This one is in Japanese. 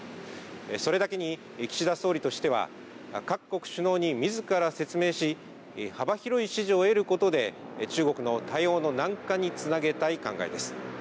それだけに、岸田総理としては、各国首脳にみずから説明し、幅広い支持を得ることで、中国の対応の軟化につなげたい考えです。